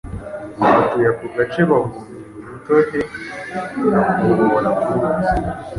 Batuye ako gace babungira ubutohe gakomora ku ruzi